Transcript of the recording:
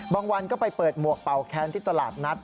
วันก็ไปเปิดหมวกเป่าแค้นที่ตลาดนัด